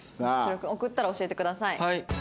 送ったら教えてください。